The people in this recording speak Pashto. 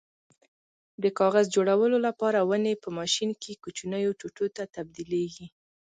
د کاغذ جوړولو لپاره ونې په ماشین کې کوچنیو ټوټو ته تبدیلېږي.